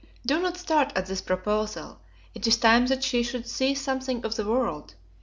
Do not start at this proposal; it is time that she should see something of the world.